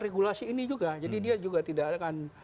regulasi ini juga jadi dia juga tidak akan